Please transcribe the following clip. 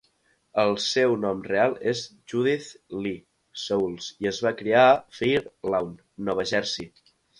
El seu nom real és Judith Lee Sauls i es va criar a Fair Lawn (Nova Jersey).